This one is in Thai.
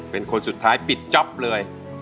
เป็นคนสุดท้ายปิดจ๊อปเลย